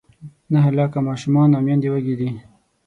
نهه لاکه ماشومان او میندې وږې دي.